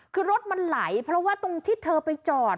คือรถมันไหลเพราะว่าตรงที่เธอไปจอด